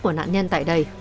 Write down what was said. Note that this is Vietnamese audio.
của nạn nhân tại đây